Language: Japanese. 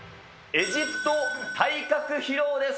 エジプト体格披露です！